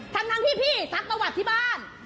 ทั้งที่พี่ซักประวัติที่บ้าน